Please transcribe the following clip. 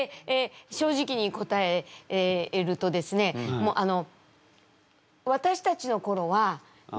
正直に答えるとですねでも今はね。